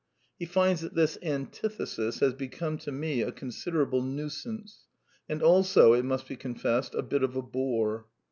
'' He finds that ^^ this antithesis has become to me a considerable v^ nuisance, and also, it must be confessed, a bit of a bore."